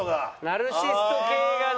ナルシスト系がね。